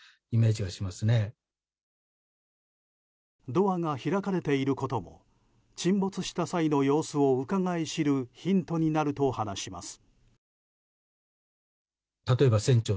ドアが開かれていることも沈没した際の様子をうかがい知るヒントになると話します。